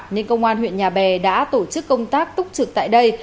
nên công an huyện nhà bè đã tổ chức công tác túc trực tại đây